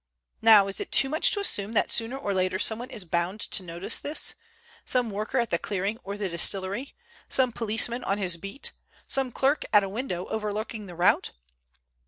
Now is it too much to assume that sooner or later someone is bound to notice this—some worker at the clearing or the distillery, some policeman on his beat, some clerk at a window over looking the route?